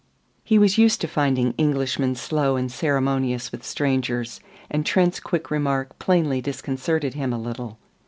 He was used to finding Englishmen slow and ceremonious with strangers, and Trent's quick remark plainly disconcerted him a little.